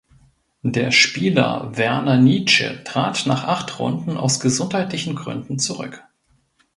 Der Spieler Werner Nitsche trat nach acht Runden aus gesundheitlichen Gründen zurück.